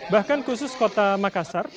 bahkan khusus kota makassar